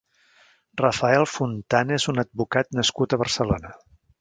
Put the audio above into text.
Rafael Fontana és un advocat nascut a Barcelona.